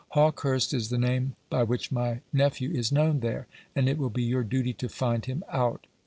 Hawkehurst is the name by which my nephew is known there, and it will be your duty to find him out."